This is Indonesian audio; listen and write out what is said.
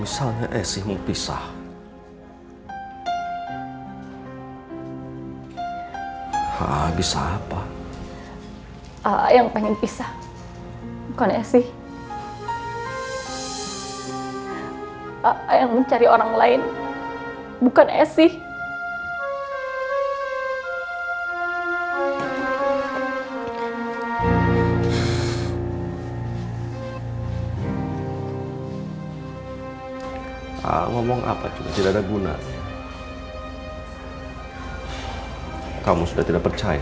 sampai jumpa di video selanjutnya